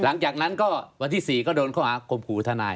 หลังจากนั้นก็วันที่๔ก็โดนข้อหาคมขู่ทนาย